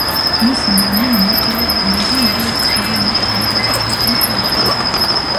მისი მამა მოტილალ ნერუ ინდოეთის ეროვნული კონგრესის ყოფილი პრეზიდენტია.